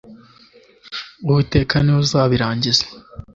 uwiteka ni we uzabirangiza